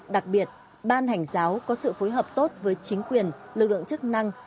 đặc biệt ban hành giáo có sự phối hợp tốt với chính quyền lực lượng chức năng